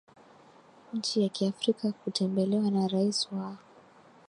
nchi ya Kiafrika kutembelewa na Rais wa